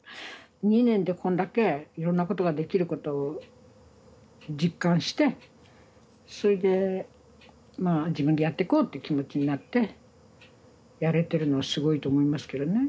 ２年でこんだけいろんなことができることを実感してそれでまあ自分でやっていこうっていう気持ちになってやれてるのはすごいと思いますけどね。